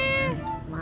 eh nyuruh aja